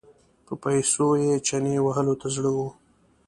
په پیسو یې چنې وهلو ته زړه و.